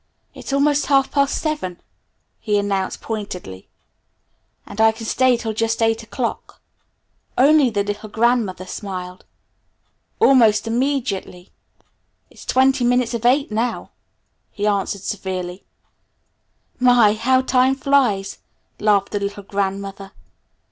"It's almost half past seven," he announced pointedly, "and I can stay till just eight o'clock." Only the little grandmother smiled. Almost immediately: "It's twenty minutes of eight now!" he announced severely. "My, how time flies!" laughed the little grandmother.